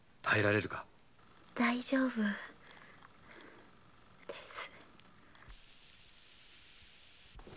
大丈夫です。